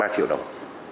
ba triệu đồng